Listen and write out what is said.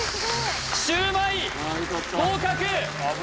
シューマイ合格